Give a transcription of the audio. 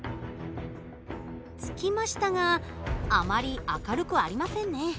つきましたがあまり明るくありませんね。